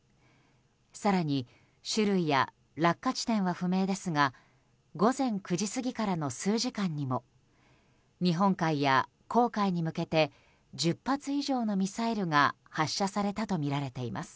更に種類や落下地点は不明ですが午前９時過ぎからの数時間にも日本海や黄海に向けて１０発以上のミサイルが発射されたとみられています。